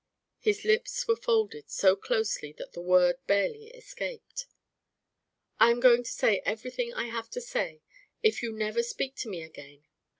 His lips were folded so closely that the word barely escaped. "I am going to say everything I have to say, if you never speak to me again.